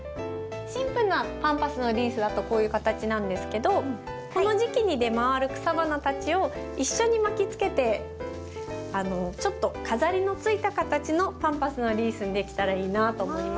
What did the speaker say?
シンプルなパンパスのリースだとこういう形なんですけどこの時期に出回る草花たちを一緒に巻きつけてちょっと飾りのついた形のパンパスのリースにできたらいいなと思います。